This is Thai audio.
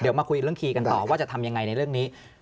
เดี๋ยวมาคุยเรื่องคีย์กันต่อว่าจะทำยังไงในเรื่องนี้